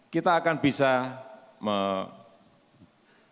kita akan bisa memberikan anggaran yang lebih baik